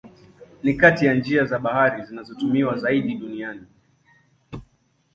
Ni kati ya njia za bahari zinazotumiwa zaidi duniani.